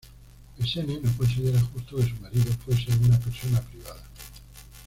Mesene no consideraba justo que su marido fuese una persona privada.